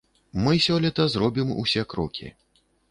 Мы сёлета зробім усе крокі.